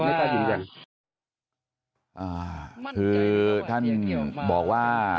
อ่าคือท่านบอกว่า